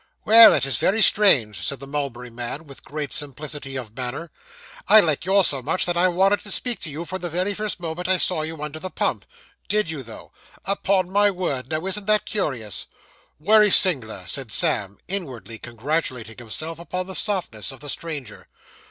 'Well, that is very strange,' said the mulberry man, with great simplicity of manner. 'I like yours so much, that I wanted to speak to you, from the very first moment I saw you under the pump.' Did you though?' 'Upon my word. Now, isn't that curious?' 'Wery sing'ler,' said Sam, inwardly congratulating himself upon the softness of the stranger.